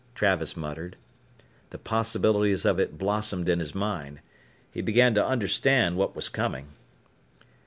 Travis muttered. The possibilities of it blossomed in his mind. He began to understand what was coming.